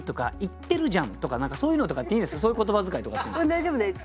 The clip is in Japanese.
大丈夫です。